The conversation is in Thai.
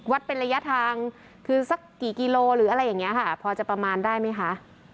เป็นระยะทางคือสักกี่กิโลหรืออะไรอย่างนี้ค่ะพอจะประมาณได้ไหมคะ